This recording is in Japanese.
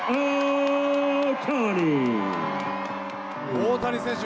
大谷選手